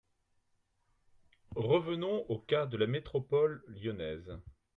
Revenons au cas de la métropole lyonnaise.